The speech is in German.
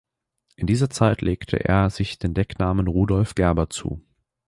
In dieser Zeit legte er sich den Decknamen Rudolf Gerber zu.